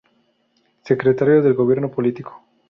Secretario del Gobierno Político.